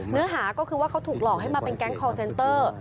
เนื้อหาก็คือว่าเขาถูกหลอกให้มาเป็นแก๊งคอร์เซนเตอร์